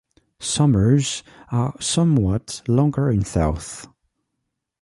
Summers are somewhat longer in the south.